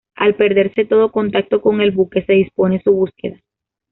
Al perderse todo contacto con el buque se dispone su búsqueda.